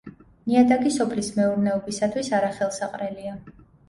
ნიადაგი სოფლის მეურნეობისათვის არახელსაყრელია.